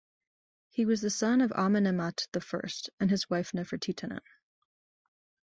He was the son of Amenemhat the First and his wife Nefertitanen.